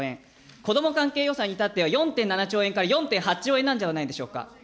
子ども関係予算にいたっては、４．７兆円から４．８兆円ではないでしょうか。